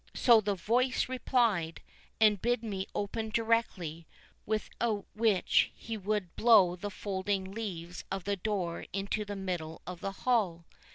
So, the voice replied, and bid me open directly, without which he would blow the folding leaves of the door into the middle of the hall.